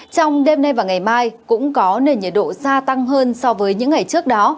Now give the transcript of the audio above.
trong đêm nay và ngày mai cũng có nền nhiệt độ gia tăng hơn so với những ngày trước đó